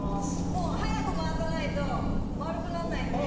もう早く回さないと丸くならないんで。